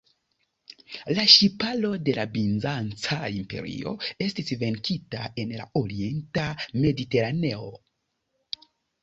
La ŝiparo de la Bizanca Imperio estis venkita en la orienta Mediteraneo.